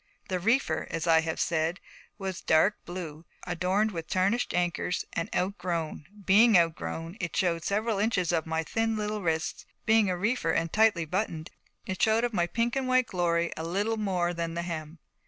The reefer, as I have said, was dark blue, adorned with tarnished anchors, and outgrown. Being outgrown, it showed several inches of my thin little wrists, and being a reefer and tightly buttoned, it showed of my pink and white glory a little more than the hem.